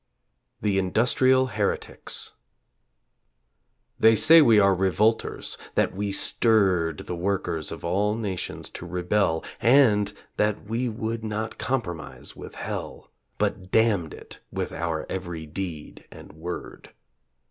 THE INDUSTRIAL HERETICS They say we are revolters that we stirred The workers of all nations to rebel And that we would not compromise with Hell, But damned it with our every deed and word.